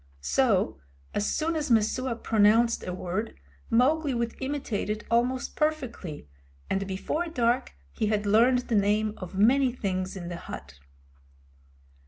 So, as soon as Messua pronounced a word Mowgli would imitate it almost perfectly, and before dark he had learned the names of many things in the hut.